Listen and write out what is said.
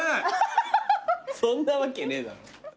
そんなわけねえだろ。